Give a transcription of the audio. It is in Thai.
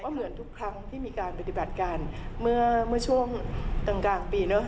เหมือนทุกครั้งที่มีการปฏิบัติการเมื่อช่วงกลางปีเนอะ